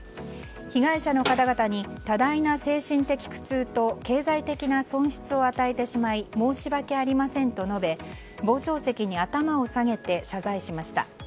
被害者の方々に多大な精神的苦痛と経済的な損失を与えてしまい申し訳ありませんと述べ傍聴席に頭を下げて謝罪しました。